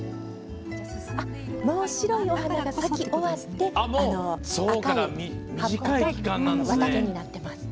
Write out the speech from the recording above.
もう白いお花が咲き終わって赤い葉っぱと綿毛になってます。